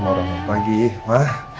selamat pagi ma